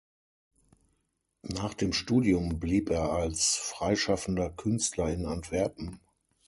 Nach dem Studium blieb er als freischaffender Künstler in Antwerpen.